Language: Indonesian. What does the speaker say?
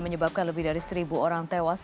menyebabkan lebih dari seribu orang tewas